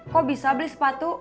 kok bisa beli sepatu